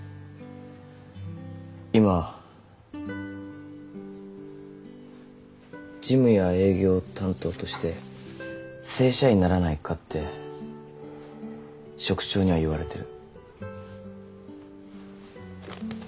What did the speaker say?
今事務や営業担当として正社員にならないかって職長には言われてる。